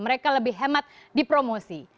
mereka lebih hemat dipromosi